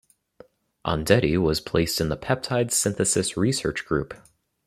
Ondetti was placed in the peptide synthesis research group.